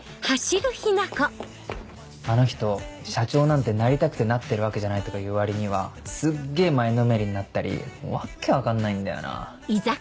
あの人社長なんてなりたくてなってるわけじゃないとか言う割にはすっげぇ前のめりになったり訳分かんないんだよな。